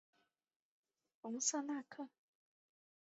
隆瑟纳克。